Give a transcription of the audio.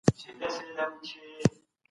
مولوي صالح محمد هوتک